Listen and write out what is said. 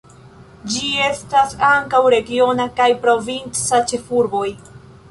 Ĝi estas ankaŭ regiona kaj provinca ĉefurboj.